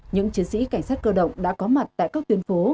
những chiến sĩ cảnh sát cơ động đã có mặt tại các tuyến phố